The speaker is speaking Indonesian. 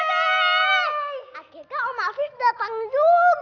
akhirnya om afif datang juga